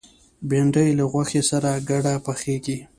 بېنډۍ له غوښې سره ګډه پخېږي